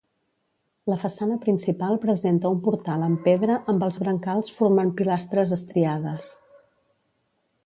La façana principal presenta un portal amb pedra amb els brancals formant pilastres estriades.